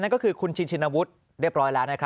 ๑คุณชินชินวุฒิ